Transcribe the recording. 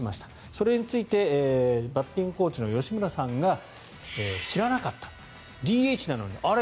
それについてバッティングコーチの吉村さんが知らなかったＤＨなのにあれ？